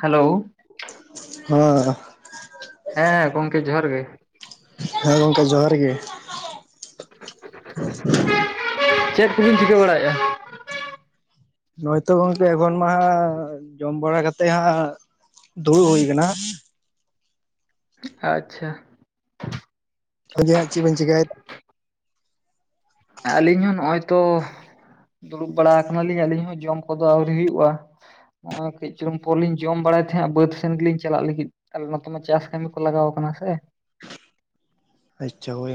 Hello ᱦᱚᱸ᱾ ᱦᱮᱸ ᱜᱚᱝᱠᱮ ᱡᱚᱦᱟᱨ ᱜᱮ ᱾ ᱦᱮᱸ ᱜᱚᱝᱠᱮ ᱡᱚᱦᱟᱨ ᱜᱮ ᱾ ᱪᱮᱫ ᱠᱚᱵᱤᱱ ᱪᱤᱠᱟᱹ ᱵᱟᱲᱟᱭᱮᱜᱼᱟ? ᱱᱚᱜᱼᱚᱭ ᱛᱚ ᱜᱚᱝᱠᱮ ᱮᱠᱷᱚᱱ ᱢᱟ ᱦᱟᱸᱜ ᱡᱚᱢ ᱵᱟᱲᱟ ᱠᱟᱛᱮᱜ ᱦᱟᱸᱜ ᱫᱩᱲᱩᱵ ᱦᱩᱭ ᱠᱟᱱᱟ ᱾ ᱟᱪᱪᱷᱟ᱾ ᱟ ᱡᱮ ᱦᱟᱸᱜ ᱪᱮᱜ ᱵᱤᱱ ᱪᱮᱠᱟᱭᱮᱫᱟ? ᱟᱹᱞᱤᱧ ᱦᱚᱸ ᱱᱚᱜᱼᱚᱸᱭ ᱛᱚᱼᱼ ᱫᱩᱲᱩᱵ ᱵᱟᱲᱟ ᱦᱟᱠᱟᱱᱟ ᱞᱤᱧ ᱟᱹᱞᱤᱧ ᱦᱚᱸ ᱡᱚᱢ ᱠᱚᱫᱚ ᱟᱹᱣᱨᱤ ᱦᱩᱭᱩᱜᱼᱟ ᱾ ᱱᱚᱜᱼᱚᱸᱭ ᱠᱟᱹᱡ ᱪᱩᱞᱩᱝ ᱯᱚᱨ ᱞᱤᱧ ᱡᱚᱢ ᱵᱟᱲᱟᱭ ᱛᱟᱦᱮᱸᱜᱼᱟᱸ ᱵᱟᱹᱫ ᱥᱮᱱ ᱜᱮᱞᱤᱧ ᱪᱟᱞᱟᱜ ᱞᱟᱹᱜᱤᱫ ᱾ ᱟᱞᱮ ᱱᱚᱛᱮ ᱢᱟ ᱪᱟᱥ ᱠᱟᱹᱢᱤ ᱠᱚ ᱞᱟᱜᱟᱣᱟᱠᱟᱱᱟ ᱥᱮ᱾ ᱟᱪᱪᱷᱟ ᱦᱳᱭ,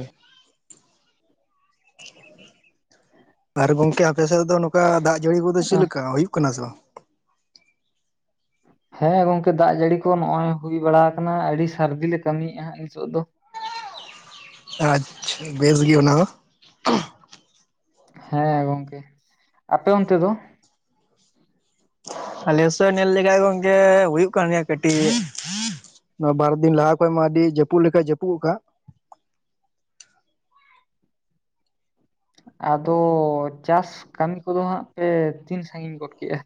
ᱟᱨ ᱜᱚᱝᱠᱮ ᱟᱼᱼ ᱞᱮ ᱥᱮᱫ ᱛᱮᱫᱚ ᱱᱚᱸᱠᱟ ᱫᱟᱜ ᱡᱟᱹᱲᱤ ᱠᱚᱫᱚ ᱪᱮᱫ ᱞᱮᱠᱟ ᱦᱩᱭᱩᱜ ᱠᱟᱱᱟ ᱥᱮ ᱵᱟᱝ? ᱦᱚᱸ ᱜᱚᱝᱠᱮ ᱫᱟᱜ ᱡᱟᱹᱲᱤ ᱠᱚ ᱱᱚᱜᱼᱚᱸᱭ ᱦᱩᱭ ᱵᱟᱲᱟ ᱦᱟᱠᱟᱱᱟ ᱟᱹᱰᱤ ᱥᱟᱹᱨᱫᱤ ᱞᱮ ᱠᱟᱹᱢᱤᱭᱮᱜᱼᱟ ᱦᱟᱸᱜ ᱱᱤᱛᱚᱜ ᱫᱚ ᱾ ᱟᱪᱪᱷᱟ ᱵᱮᱥ ᱜᱮ ᱚᱱᱟ ᱦᱚᱸ᱾ ᱦᱮᱸ ᱜᱚᱝᱠᱮ, ᱟᱯᱮ ᱚᱱᱛᱮ ᱫᱚ? ᱟᱞᱮ ᱥᱮᱜ ᱱᱮᱞ ᱞᱮᱠᱷᱟᱡ ᱜᱚᱝᱠᱮ ᱦᱩᱭᱩᱜ ᱠᱟᱱ ᱜᱮᱭᱟ ᱠᱟᱹᱴᱤᱡ ᱜᱮ᱾ ᱱᱚᱣᱟ ᱵᱟᱨ ᱫᱤᱱ ᱞᱟᱦᱟ ᱠᱷᱚᱡ ᱢᱟ ᱟᱹᱰᱤ ᱡᱟᱹᱯᱩᱫ ᱞᱮᱠᱟᱭ ᱡᱟᱹᱯᱩᱜ ᱟᱠᱟᱜ᱾ ᱟᱫᱚ ᱪᱟᱥ ᱠᱟᱹᱢᱤ ᱠᱚᱫᱚ ᱦᱟᱸᱜ ᱯᱮ ᱛᱤᱱ ᱥᱟᱺᱜᱤᱧ ᱜᱚᱫ ᱠᱮᱜᱼᱟ?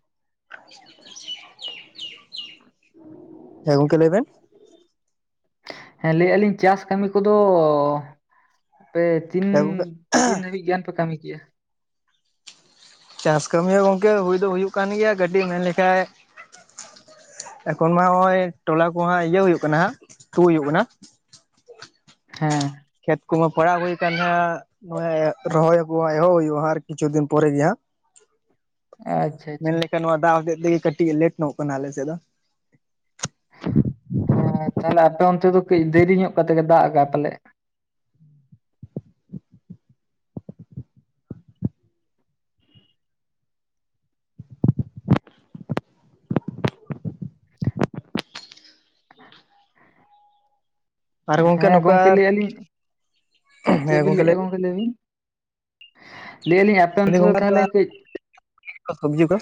[unintelligible] [inaudible] ᱦᱮᱸ ᱜᱚᱝᱠᱮ ᱞᱟᱹᱭ ᱵᱮᱱ? ᱦᱮᱸ ᱞᱟᱹᱭᱼᱮᱜᱼᱟ ᱞᱤᱧ ᱪᱟᱥ ᱠᱟᱹᱢᱤ ᱠᱚᱫᱚᱻ ᱯᱮᱼᱼ ᱛᱤᱱᱻ ᱦᱮᱸ ᱜᱚᱝᱠᱮ ᱛᱤᱱ ᱫᱷᱟᱹᱵᱤᱡ ᱜᱟᱱ ᱯᱮ ᱠᱟᱹᱢᱤ ᱠᱮᱜᱼᱟ? ᱪᱟᱥ ᱠᱟᱹᱢᱤ ᱦᱚᱸ ᱜᱚᱝᱠᱮ ᱦᱩᱭ ᱫᱚ ᱦᱩᱭᱩᱜ ᱠᱟᱱ ᱜᱮᱭᱟ, ᱠᱟᱹᱴᱤᱡ ᱢᱮᱱ ᱞᱮᱠᱷᱟᱡᱼᱼ ᱮᱠᱷᱚᱱ ᱢᱟ ᱦᱚᱸᱜᱼᱚᱸᱭ ᱴᱚᱞᱟ ᱠᱚ ᱦᱟᱸᱜ ᱤᱭᱟᱹ ᱦᱩᱭᱩᱜ ᱠᱟᱱᱟ ᱦᱟᱸᱜ, ᱛᱩᱜ ᱦᱩᱭᱩᱜ ᱠᱟᱱᱟ ᱾ ᱦᱮᱸ᱾ ᱠᱷᱮᱛ ᱠᱚᱢᱟ ᱯᱟᱲᱟᱜ ᱦᱩᱭ ᱠᱟᱱ ᱱᱷᱟᱸᱜ, ᱼᱼ ᱱᱚᱜᱼᱚᱸᱭᱮ ᱨᱚᱦᱚᱭ ᱠᱚ ᱶᱟᱜ ᱮᱦᱚᱵ ᱦᱩᱭᱩᱜᱼᱟ ᱦᱟᱸᱜ ᱟᱨ ᱠᱤᱪᱷᱩ ᱫᱤᱱ ᱯᱚᱨᱮ ᱜᱮ ᱦᱟᱸᱜ ᱾ [unintelligible] ᱟᱪᱪᱷᱟ ᱢᱮᱱ ᱞᱮᱠᱷᱟᱱ ᱱᱚᱣᱟ ᱫᱟᱜ ᱦᱚᱛᱮᱫ ᱛᱮᱜᱮ ᱠᱟᱹᱴᱤᱜ ᱞᱮᱴ ᱱᱚᱜᱚᱜ ᱠᱟᱱᱟ ᱟᱞᱮ ᱥᱮᱫ ᱫᱚ ᱾ ᱦᱮᱸ ᱛᱟᱦᱚᱞᱮ ᱟᱯᱮ ᱚᱱᱛᱮ ᱫᱚ ᱠᱟᱹᱡ ᱫᱮᱨᱤ ᱧᱚᱜ ᱠᱟᱛᱮ ᱜᱮ ᱫᱟᱜ ᱟᱠᱟᱼᱟ ᱯᱟᱞᱮᱜ ᱾ [unintelligible] ᱟᱨ ᱦᱮᱸ ᱱᱚᱝᱠᱟ ᱜᱚᱝᱠᱮ ᱞᱟᱹᱭᱼᱮᱜᱼᱟ ᱞᱤᱝ, ᱪᱮᱜ ᱵᱤᱱ ᱞᱟᱹᱭᱼᱮᱜᱼᱟ ᱜᱚᱝᱠᱮ ᱞᱟᱹᱭ ᱵᱤᱱ? ᱞᱟᱹᱭᱼᱮᱜᱼᱟ ᱞᱤᱧ ᱟᱯᱮ ᱚᱱᱛᱮ ᱵᱤᱱ ᱫᱚ ᱜᱚᱝᱠᱮ ᱛᱟᱦᱚᱞᱮ ᱠᱟᱹᱡᱼᱼ ᱥᱚᱵᱽᱡᱤ ᱠᱚ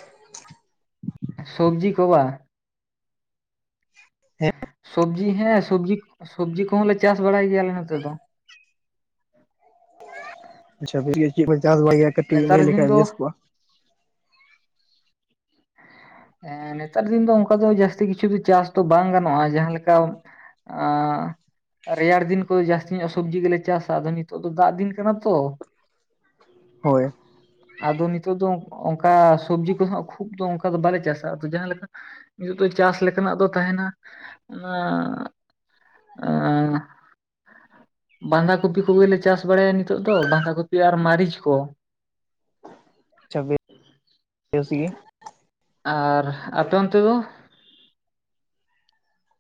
ᱥᱩᱵᱽᱡᱤ ᱠᱚ ᱵᱟ? ᱦᱮᱸ ᱥᱚᱵᱽᱡᱤ ᱦᱮᱸ ᱥᱚᱵᱽᱡᱤᱼᱠ ᱥᱚᱵᱽᱡᱤ ᱠᱚᱦᱚᱸ ᱞᱮ ᱪᱟᱥ ᱵᱟᱲᱟᱭ ᱜᱮᱭᱟ ᱟᱞᱮ ᱱᱚᱛᱮ ᱫᱚ ᱾ ᱟᱪᱪᱷᱟ, ᱵᱤᱴᱤᱼᱟᱭᱳ, ᱪᱮᱫ ᱵᱚᱱ ᱪᱟᱥ ᱵᱟᱲᱟᱭ ᱜᱮᱭᱟ, ᱠᱟᱹᱴᱤᱡ ᱱᱮᱛᱟᱨ ᱞᱟᱹᱭ ᱫᱤᱱ ᱞᱮᱠᱷᱟᱡ ᱫᱚ ᱵᱮᱥ ᱠᱚᱜᱼᱟ? ᱦᱮᱸ ᱱᱮᱛᱟᱨ ᱫᱤᱱ ᱫᱚ ᱚᱝᱠᱟ ᱫᱚ ᱡᱟᱹᱥᱛᱤ ᱠᱤᱪᱷᱩ ᱫᱚ ᱪᱟᱥ ᱫᱚ ᱵᱟᱝ ᱜᱟᱱᱚᱜᱼᱟ, ᱡᱟᱦᱟᱸᱮ ᱞᱮᱠᱟ ᱟᱸ ᱨᱮᱭᱟᱲ ᱫᱤᱱ ᱠᱚᱫᱚ ᱡᱟᱹᱥᱛᱤ ᱧᱚᱜ ᱥᱚᱵᱽᱡᱤ ᱜᱮᱞᱮ ᱪᱟᱥᱼᱟ, ᱟᱫᱚ ᱱᱤᱛᱚᱜ ᱫᱚ ᱫᱟᱜ ᱫᱤᱱ ᱠᱟᱱᱟ ᱛᱚ, [unintelligible] ᱦᱳᱭ ᱾ ᱟᱫᱚ ᱱᱤᱛᱳᱜ ᱫᱚ ᱚᱱᱠᱟ ᱥᱚᱵᱽᱡᱤ ᱠᱚ ᱦᱟᱸᱜ ᱠᱷᱩᱵ ᱫᱚ ᱚᱱᱠᱟ ᱫᱚ ᱵᱟᱞᱮ ᱪᱟᱥᱟ ᱟᱫᱚ ᱡᱟᱦᱟᱸ ᱞᱮᱠᱟ ᱱᱤᱛᱚᱜ ᱫᱚ ᱪᱟᱥ ᱞᱮᱠᱟᱱᱟᱜ ᱫᱚ ᱛᱟᱦᱮᱱᱟ ᱟᱸ ᱟᱸᱻ ᱵᱟᱸᱫᱷᱟ ᱠᱚᱯᱤ ᱠᱚᱜᱮ ᱞᱮ ᱪᱟᱥ ᱵᱟᱲᱟᱭᱟ ᱱᱤᱛᱚᱜ ᱫᱚ ᱵᱟᱸᱫᱷᱟ ᱠᱚᱯᱤ, ᱟᱨ ᱢᱟᱹᱨᱤᱪ ᱠᱚ ᱾ ᱪᱷᱟᱵᱤ, ᱵᱮᱥ ᱜᱮᱭᱟ ᱾ ᱟᱨ ᱟᱯᱮ ᱚᱱᱛᱮ ᱫᱚ?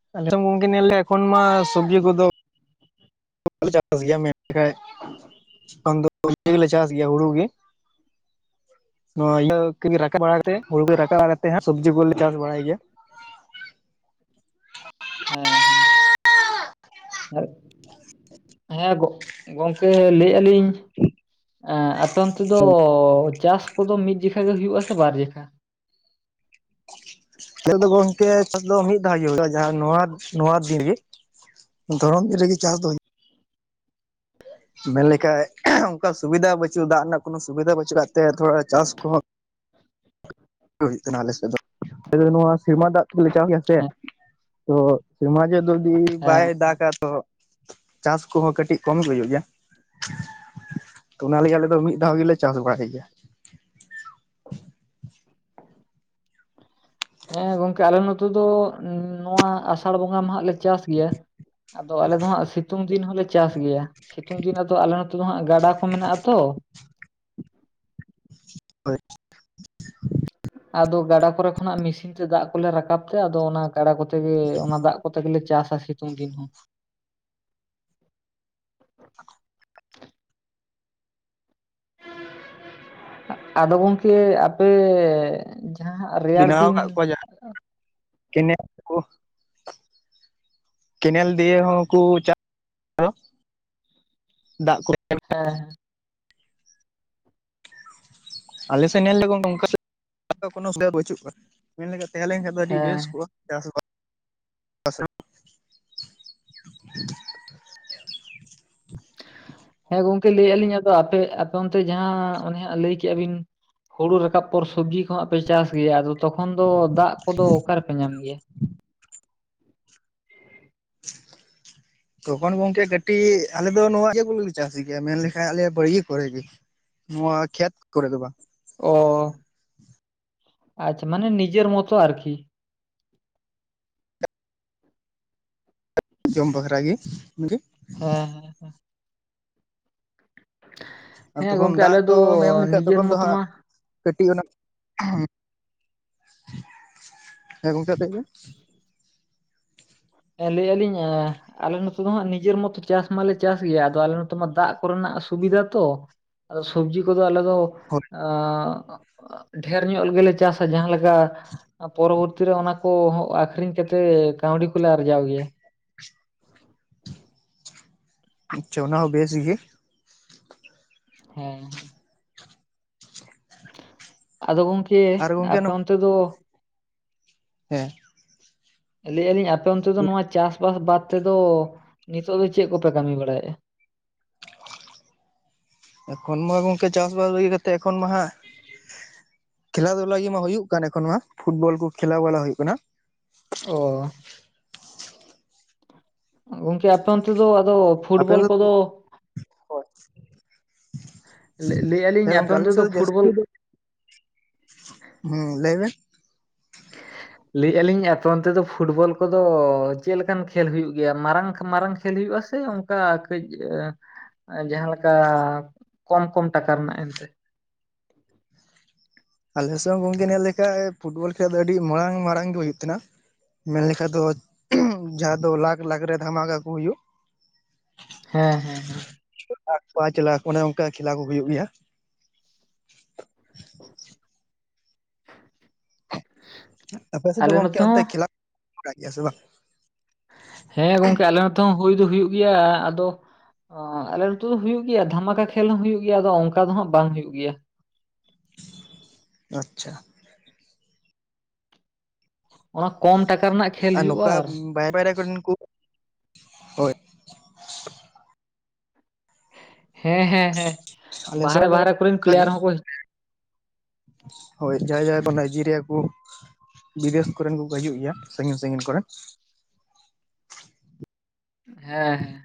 [unintelligible] ᱜᱚᱝᱠᱮ ᱧᱮᱞ ᱞᱮ ᱮᱠᱷᱚᱱ ᱢᱟ ᱥᱚᱵᱽᱡᱤ ᱠᱚᱫᱚ [unintelligible] ᱪᱟᱥ ᱜᱮᱭᱟ ᱢᱮᱱ ᱞᱮᱠᱷᱟᱡ [unintelligible] ᱪᱟᱥ ᱜᱮᱭᱟ ᱦᱩᱲᱩ ᱜᱮ ᱾ ᱱᱚᱣᱟ ᱤᱭᱟᱹ ᱠᱤ ᱨᱟᱠᱟᱵ ᱵᱟᱲᱟ ᱠᱟᱛᱮᱫ ᱦᱩᱲᱩ ᱠᱚ ᱨᱟᱠᱟᱵ ᱵᱟᱲᱟ ᱠᱟᱛᱮ ᱦᱟᱸᱜ ᱥᱚᱵᱽᱡᱤ ᱠᱚᱞᱮ ᱪᱟᱥ ᱵᱟᱲᱟᱭ ᱜᱮᱭᱟ ᱾ ᱦᱮᱸ ᱦᱮᱸ [unintelligible] ᱦᱮᱸ ᱜᱚᱜ ᱜᱚᱝᱠᱮ ᱞᱟᱹᱭᱮᱜᱼᱟ ᱞᱤᱧ ᱮ ᱟᱯ ᱟᱯᱮ ᱚᱱᱛᱮ ᱫᱚ ᱪᱟᱥ ᱠᱚᱫᱚ ᱢᱤᱫ ᱡᱚᱠᱷᱟ ᱜᱮ ᱦᱩᱭᱩᱜ-ᱟ ᱥᱮ ᱵᱟᱨ ᱡᱚᱠᱷᱟ? ᱟᱞᱮ ᱫᱚ ᱜᱚᱝᱠᱮ ᱪᱟᱥ ᱫᱚ ᱢᱤᱫ ᱫᱷᱟᱣ ᱜᱮ ᱦᱩᱭᱩᱜᱼᱟ ᱡᱟᱦᱟᱸ ᱱᱚᱣᱟ ᱱᱚᱣᱟ ᱫᱤᱱᱜᱮ ᱾ ᱫᱷᱚᱨᱚᱱ ᱫᱤᱱ ᱨᱮᱜᱮ ᱪᱟᱥ ᱫᱚ ᱢᱮᱱ ᱞᱮᱠᱷᱟᱡ ᱚᱱᱠᱟ ᱥᱩᱵᱤᱫᱷᱟ ᱵᱟᱹᱪᱩᱜ ᱫᱟᱜ ᱨᱮᱱᱟᱜ ᱠᱚᱱᱳ ᱥᱩᱵᱤᱫᱷᱟ ᱵᱟᱹᱪᱩᱜ ᱠᱟᱜ ᱛᱮ ᱛᱷᱚᱲᱟ ᱪᱟᱥ ᱠᱚᱦᱚᱸ ᱦᱩᱭᱩᱜ ᱛᱟᱦᱮᱱᱟ ᱟᱞᱮ ᱥᱮᱫ ᱫᱚ ᱟᱞᱮ ᱱᱚᱣᱟ ᱥᱮᱨᱢᱟ ᱫᱟᱜ ᱛᱮᱞᱮ ᱪᱟᱥ ᱜᱮᱭᱟ ᱥᱮ ᱦᱮᱸ ᱾ ᱛᱚ ᱥᱮᱨᱢᱟ ᱡᱮ ᱡᱩᱫᱤ ᱵᱟᱭ ᱦᱮᱸ ᱫᱟᱜᱟ ᱛᱚ ᱪᱟᱥ ᱠᱚᱦᱚᱸ ᱠᱟᱴᱤᱡ ᱠᱚᱢ ᱜᱮ ᱦᱩᱭᱩᱜ ᱜᱮᱭᱟ ᱾ ᱛᱚ ᱚᱱᱟ ᱞᱟᱜᱤᱫ ᱟᱞᱮ ᱫᱚ ᱢᱤᱫ ᱫᱷᱟᱣ ᱜᱮᱞᱮ ᱪᱟᱥ ᱵᱟᱲᱟᱭ ᱜᱮᱭᱟ ᱾ ᱦᱮᱸ ᱜᱚᱝᱠᱮ ᱟᱞᱮ ᱱᱚᱛᱮ ᱫᱚ ᱱᱚᱣᱟ ᱟᱥᱟᱲ ᱵᱚᱸᱜᱟ ᱢᱟᱦᱟᱸᱜ ᱞᱮ ᱪᱟᱥ ᱜᱮᱭᱟ ᱾ ᱟᱫᱚ ᱟᱞᱮ ᱫᱚ ᱦᱟᱸᱜ ᱥᱤᱛᱩᱝ ᱫᱤᱱ ᱦᱚᱸᱞᱮ ᱪᱟᱥ ᱜᱮᱭᱟ ᱥᱤᱛᱩᱝ ᱫᱤᱱ ᱟᱫᱚ ᱟᱞᱮ ᱱᱚᱛᱮ ᱫᱚ ᱦᱟᱸᱜ ᱜᱟᱰᱟ ᱠᱚ ᱢᱮᱱᱟᱜᱼᱟ ᱛᱚ ᱾ ᱦᱳᱭ ᱾ ᱟᱫᱚ ᱜᱟᱰᱟ ᱠᱚᱨᱮ ᱠᱷᱚᱱᱟᱜ ᱢᱮᱥᱤᱱ ᱛᱮ ᱫᱟᱜ ᱠᱚᱞᱮ ᱨᱟᱠᱟᱵ ᱛᱮ ᱟᱫᱚ ᱚᱱᱟ ᱜᱟᱰᱟ ᱠᱚᱛᱮ ᱜᱮ ᱚᱱᱟ ᱫᱟᱜ ᱠᱚᱛᱮ ᱜᱮᱞᱮ ᱪᱟᱥᱟ ᱥᱤᱛᱩᱝ ᱫᱤᱱ ᱦᱚᱸ ᱾ ᱟᱫᱚ ᱜᱚᱝᱠᱮ ᱟᱯᱮ ᱡᱟᱦᱟᱸ ᱨᱮᱭᱟᱲ ᱵᱮᱱᱟᱣ ᱫᱤᱱ ᱟᱠᱟᱫ ᱠᱚᱣᱟ ᱡᱟᱦᱟᱸ ᱠᱮᱱᱮᱞ ᱠᱚ ᱾ ᱠᱮᱱᱮᱞ ᱫᱤᱭᱮ ᱦᱚᱸᱠᱚ ᱪᱟᱥ [unintelligible] ᱫᱟᱜ ᱠᱚ [unintelligible] ᱦᱮᱸ ᱦᱮᱸ ᱾ ᱟᱞᱮ ᱥᱮᱫ ᱧᱮᱞ ᱞᱮ ᱚᱱᱠᱟ [unintelligible] ᱵᱟᱹᱪᱩᱜ ᱠᱚᱣᱟ ᱢᱮᱱ ᱞᱮᱠᱷᱟᱱ ᱛᱟᱦᱮᱸ ᱞᱮᱱᱠᱷᱟᱡ ᱫᱚ ᱟᱹᱰᱤ ᱵᱮᱥ ᱦᱮᱸ ᱠᱚᱜᱼᱟ ᱾ ᱪᱟᱥ ᱵᱟ ᱦᱮᱸ ᱜᱚᱝᱠᱮ ᱞᱟᱹᱭᱮᱜᱼᱟ ᱞᱤᱧ ᱟᱫᱚ ᱟᱯᱮ ᱟᱯᱮ ᱚᱱᱛᱮ ᱡᱟᱦᱟᱸ ᱚᱱᱮ ᱦᱟᱸᱜ ᱞᱟᱹᱭ ᱠᱮᱜᱼᱟ ᱵᱤᱱ ᱦᱩᱲᱩ ᱨᱟᱠᱟᱵ ᱯᱚᱨ ᱥᱚᱵᱽᱡᱤ ᱠᱚ ᱦᱟᱸᱜ ᱯᱮ ᱪᱟᱥ ᱜᱮᱭᱟ ᱟᱫᱚ ᱛᱚᱠᱷᱚᱱ ᱫᱚ ᱫᱟᱜ ᱠᱚᱫᱚ ᱚᱠᱟ ᱨᱮᱯᱮ ᱧᱟᱢ ᱜᱮᱭᱟ? ᱛᱚᱠᱷᱚᱱ ᱜᱚᱝᱠᱮ ᱠᱟᱹᱴᱤᱡ ᱟᱞᱮ ᱫᱚ ᱱᱚᱣᱟ ᱤᱭᱟᱹ ᱠᱚᱞᱮ ᱪᱟᱥ ᱜᱮᱭᱟ ᱢᱮᱱᱞᱠᱷᱟᱱ ᱟᱞᱮ ᱵᱟᱲᱭᱮ ᱠᱚᱨᱮ ᱜᱮ ᱾ ᱱᱚᱣᱟ ᱠᱷᱮᱛ ᱠᱚᱨᱮ ᱫᱚ ᱵᱟᱝ ᱾ ᱚ, ᱟᱪᱪᱷᱟ ᱢᱟᱱᱮ ᱱᱤᱡᱮᱨ ᱢᱚᱛᱚ ᱟᱨᱠᱤ ᱾ ᱡᱚᱢ ᱵᱟᱠᱷᱨᱟ ᱜᱮ [unintelligible] ᱾ ᱦᱮᱸ ᱦᱮᱸ ᱾ ᱟᱨ ᱦᱮᱸ ᱛᱚᱠᱷᱚᱱ ᱜᱚᱝᱠᱮ ᱫᱟᱜ ᱟᱞᱮ ᱫᱚ ᱢᱮᱱ ᱞᱮᱠᱷᱷᱟᱡ ᱱᱤᱡᱮᱨ ᱛᱚᱠᱷᱚᱱ ᱫᱚ ᱢᱚᱛᱚ ᱢᱟ ᱦᱟᱸᱜ ᱠᱟᱹᱴᱤᱡ ᱚᱱᱟ, ᱦᱮᱸ ᱜᱚᱝᱠᱮ ᱞᱟᱹᱭ ᱢᱮ ᱾ ᱦᱮᱸ ᱞᱟᱹᱭᱮᱜᱼᱟ ᱞᱤᱧ ᱮᱸ ᱟᱞᱮ ᱱᱚᱛᱮ ᱫᱚ ᱦᱟᱸᱜ ᱱᱤᱡᱮᱨ ᱢᱚᱛᱚ ᱪᱟᱥ ᱢᱟᱞᱮ ᱪᱟᱥ ᱜᱮᱭᱟ, ᱟᱫᱚ ᱟᱞᱮ ᱱᱚᱛᱮ ᱢᱟ ᱫᱟᱜ ᱠᱚᱨᱮᱱᱟᱜ ᱥᱩᱵᱤᱫᱟ ᱛᱚ ᱾ ᱥᱚᱵᱽᱡᱤ ᱠᱚᱫᱚ ᱟᱞᱮ ᱫᱚ, ᱦᱳᱭ ᱟᱻ ᱰᱷᱮᱨ ᱧᱚᱜ ᱜᱮᱞᱮ ᱪᱟᱥᱟ ᱡᱟᱦᱟᱸ ᱞᱮᱠᱟ, ᱯᱚᱨᱚᱵᱚᱨᱛᱤ ᱨᱮ ᱚᱱᱟ ᱠᱚ ᱟᱠᱷᱨᱤᱧ ᱠᱟᱛᱮᱫ ᱠᱟᱹᱣᱰᱤ ᱠᱚᱞᱮ ᱟᱨᱡᱟᱣ ᱜᱮᱭᱟ᱾ ᱟᱪᱪᱷᱟ ᱚᱱᱟ ᱦᱚᱸ ᱵᱮᱥ ᱜᱮ᱾ ᱦᱮᱸ ᱟᱫᱚ ᱜᱚᱝᱠᱮ ᱟᱨ ᱜᱚᱝᱠᱮ ᱟᱯᱮ ᱚᱱᱛᱮ ᱫᱚ, ᱦᱮᱸ ᱞᱟᱹᱭᱮᱫᱼᱟ ᱞᱤᱧ ᱟᱯᱮ ᱚᱱᱛᱮ ᱫᱚ ᱱᱚᱣᱟ ᱪᱟᱥᱵᱟᱥ ᱵᱟᱫ ᱛᱮᱫᱚ ᱱᱤᱛᱚᱜ ᱫᱚ ᱪᱮᱫ ᱠᱚᱯᱮ ᱠᱟᱹᱢᱤ ᱵᱟᱲᱟᱭᱮᱫᱼᱟ? ᱮᱠᱷᱚᱱ ᱢᱟ ᱜᱚᱝᱠᱮ ᱪᱟᱥᱵᱟᱥ ᱠᱟᱹᱜᱤ ᱠᱟᱛᱮᱜ ᱮᱠᱷᱚᱱ ᱢᱟ ᱦᱟᱸᱜ ᱠᱷᱮᱞᱟ ᱫᱷᱩᱞᱟ ᱜᱮᱢᱟ ᱦᱩᱭᱩᱜ ᱠᱟᱱ ᱮᱠᱷᱚᱱ ᱱᱚᱣᱟ ᱯᱷᱩᱴᱵᱚᱞ ᱠᱚ ᱠᱷᱮᱞᱟ ᱵᱟᱞᱟ ᱦᱩᱭᱩᱜ ᱠᱟᱱᱟ, ᱚ᱾ ᱜᱚᱝᱠᱮ ᱟᱯᱚᱱᱛᱮᱫᱚ ᱟᱫᱚ, ᱟᱯᱮ ᱯᱷᱩᱴᱵᱚᱞ ᱠᱚ ᱠᱚᱫᱚ ᱦᱳᱭ ᱞᱟᱹᱭ- ᱞᱟᱹᱭᱮᱜᱼᱟ ᱞᱤᱧ ᱦᱮᱸ ᱟᱯᱮ ᱜᱚᱝᱠᱮ ᱟᱞᱮ ᱚᱱᱛᱮ ᱥᱮᱡ ᱫᱚ ᱯᱷᱩᱴᱵᱚᱞ ᱡᱟᱥᱛᱤ ᱫᱚ, ᱦᱮᱸ ᱞᱮᱭᱵᱮᱱ, [unintelligible] ᱞᱮᱭᱮᱜᱼᱟ ᱞᱤᱧ ᱚᱱᱛᱮ ᱫᱚ ᱯᱷᱩᱴᱵᱚᱞ ᱠᱚᱻᱫᱚ ᱪᱮᱫ ᱞᱮᱠᱟᱱ ᱠᱷᱮᱞ ᱦᱩᱭᱩᱜ ᱜᱮᱭᱟ ᱢᱟᱨᱟᱝ ᱢᱟᱨᱟᱝ ᱠᱷᱮᱞ ᱦᱩᱭᱩᱜᱼᱟ ᱥᱮ? ᱚᱱᱠᱟ ᱠᱟᱹᱡ ᱡᱟᱦᱟᱸᱞᱮᱠᱟ ᱠᱚᱢ ᱠᱚᱢ ᱴᱟᱠᱟ ᱨᱮᱱᱟᱜ ᱮᱱᱛᱮ, ᱟᱞᱮ ᱥᱮ ᱜᱚᱝᱠᱮ ᱧᱮᱞ ᱞᱮᱠᱟᱱᱡ ᱯᱷᱩᱴᱵᱚᱞ ᱠᱷᱮᱞ ᱫᱚ ᱟᱹᱰᱤ ᱢᱟᱨᱟᱝ ᱢᱟᱨᱟᱝ ᱜᱮ ᱦᱩᱭᱩᱜ ᱛᱟᱦᱮ ᱱᱟ, ᱢᱮᱱ ᱞᱮᱠᱟᱡ ᱫᱚ ᱡᱟᱦᱟᱸ ᱫᱚ ᱞᱟᱠᱷ ᱞᱟᱠᱷ ᱨᱮ ᱫᱷᱟᱢᱟᱠᱟ ᱠᱚ ᱦᱩᱭᱩᱜ, ᱦᱮᱸ ᱦᱮᱸ ᱦᱮᱸ ᱯᱟᱸᱧᱪ ᱞᱟᱠ ᱚᱱᱮ ᱚᱱᱠᱟ ᱠᱷᱮᱞᱟ ᱠᱚ ᱦᱩᱭᱩᱜ ᱜᱮᱭᱟ᱾ [unintelligible] ᱟᱯᱮ ᱥᱮᱫ ᱫᱚ ᱟᱞᱮ ᱜᱚᱝᱠᱮ ᱱᱚᱛᱮ ᱚᱱᱛᱮ ᱦᱚᱸ ᱠᱷᱤᱞᱟᱯ [unintelligible] ᱵᱟᱲᱲᱟ ᱜᱮᱭᱟ ᱥᱮ ᱵᱟᱝ? ᱦᱮᱸ ᱜᱚᱝᱠᱮ ᱟᱞᱮ ᱱᱚᱛᱮ ᱦᱚᱸ ᱦᱩᱭ ᱫᱚ ᱦᱩᱭᱩᱜ ᱜᱮᱭᱟ ᱟᱫᱚ, ᱚ ᱟᱞᱮ ᱱᱛᱩ ᱫᱚ ᱦᱩᱭᱩᱜ ᱜᱮᱭᱟ ᱫᱷᱟᱢᱟᱠᱟ ᱠᱷᱮᱞ ᱦᱚᱸ ᱦᱩᱭᱩᱜ ᱜᱮᱭᱟ ᱟᱫᱚ ᱚᱱᱠᱟ ᱫᱚ ᱦᱜ ᱵᱟᱝ ᱦᱩᱭᱩᱜ ᱜᱮᱭᱟ᱾ ᱟᱪᱪᱷᱟ᱾ ᱚᱱᱟ ᱠᱚᱢ ᱴᱟᱠᱟ ᱨᱮᱱᱟᱜ ᱠᱷᱮᱞ ᱦᱩᱭᱩᱜᱼᱟ᱾ ᱟᱨ, ᱵᱟᱭ ᱵᱟᱭ ᱠᱚᱨᱮᱱ ᱠᱚ [inaudible] ᱦᱳᱭ ᱦᱮᱸ ᱦᱮᱸ ᱦᱮᱸ ᱟᱞᱮ ᱵᱟᱦᱨᱮ ᱥᱮᱫ ᱵᱟᱦᱨᱮ ᱠᱚᱨᱮᱱ ᱚᱱᱠᱟᱜᱮ ᱯᱞᱮᱭᱟᱨ ᱦᱚᱸᱠᱚ, ᱦᱳᱭ ᱡᱟᱭ ᱡᱟᱭ ᱠᱚ ᱱᱟᱭᱡᱮᱨᱤᱭᱟ ᱠᱚ, ᱵᱤᱫᱮᱥ ᱠᱚᱨᱮᱱ ᱠᱚ ᱠᱚ ᱦᱤᱡᱩᱜ ᱜᱮᱭᱟ ᱥᱟᱺᱜᱤᱧ ᱥᱟᱺᱜᱤᱧ ᱠᱚᱨᱮᱱ᱾ ᱦᱮᱸ